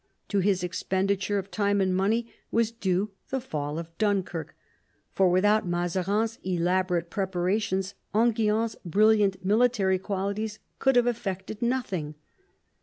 To his expenditure of time and money was due the fall of Dunkirk, for without Mazarines elaborate preparations Enghien's brilliant military qualities could have effected nothing.